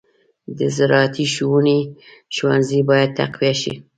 د زراعتي ښوونې ښوونځي باید تقویه شي.